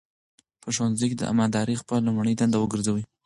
په ښوونځي کې امانتداري خپله لومړنۍ دنده وګرځوئ.